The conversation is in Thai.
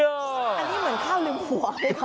อันนี้เหมือนข้าวริมหัว